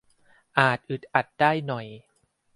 อาจอึดอัดได้หน่อย